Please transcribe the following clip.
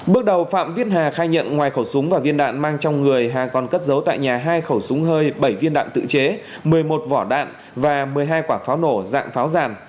bước đầu phạm viết hà khai nhận ngoài khẩu súng và viên đạn mang trong người hà còn cất giấu tại nhà hai khẩu súng hơi bảy viên đạn tự chế một mươi một vỏ đạn và một mươi hai quả pháo nổ dạng pháo ràn